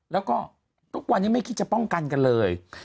แล้วก็ทุกวันนี้ไม่คิดจะป้องกันกันเลย